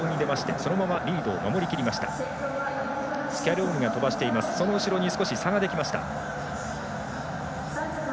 その後ろに少し差ができました。